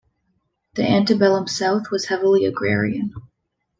The antebellum South was heavily agrarian.